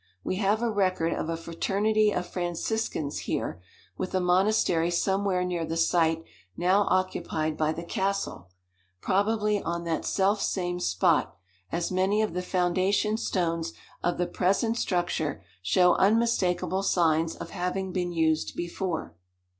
We have a record of a fraternity of Franciscans here, with a monastery somewhere near the site now occupied by the castle, probably on that self same spot, as many of the foundation stones of the present structure show unmistakable signs of having been used before.